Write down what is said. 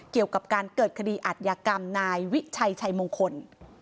เกี่ยวกับการเกิดคดีอัธยกรรมนายวิชัยชัยมงคล